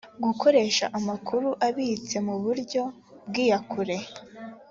gukoresha amakuru abitse mu buryo bw’iyakure